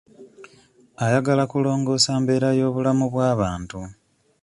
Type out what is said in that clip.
Ayagala kulongoosa mbeera y'obulamu bw'abantu.